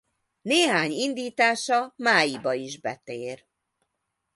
Néhány indítása Mályiba is betér.